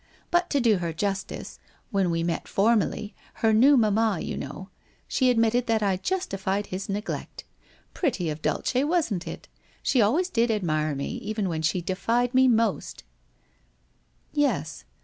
But to do her justice, when we met formally — her new mamma, you know — she admitted that I justified his neglect. Pretty of Dulce, wasn't it? She always did admire me even when she defied me most/ ' Yes.